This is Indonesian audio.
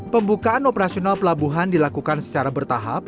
pembukaan operasional pelabuhan dilakukan secara bertahap